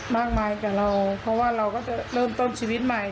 มากมายกับเราเพราะว่าเราก็จะเริ่มต้นชีวิตใหม่